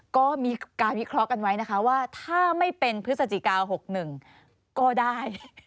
ก็มีการวิเคราะห์กันไว้นะคะว่าถ้าไม่เป็นพฤศจิกา๖๑ก็ได้